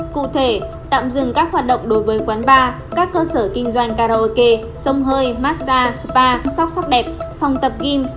cụ thể tạm dừng các hoạt động đối với quán bar các cơ sở kinh doanh karaoke sông hơi massage spa sóc sắc đẹp phòng tập gm